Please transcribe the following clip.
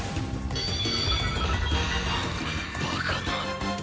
バカな！